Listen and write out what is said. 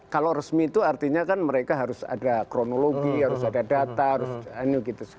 kalau resmi itu artinya kan mereka harus ada kronologi harus ada data harus ini gitu